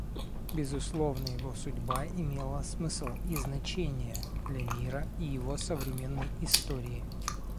Безусловно, его судьба имела смысл и значение для мира и его современной истории.